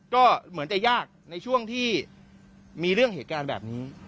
ก็เหมือนจะยากในช่วงที่มีเรื่องเหตุการณ์แบบนี้